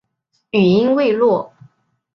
语音未落